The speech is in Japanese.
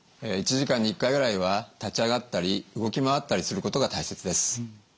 １時間に１回ぐらいは立ち上がったり動き回ったりすることが大切です。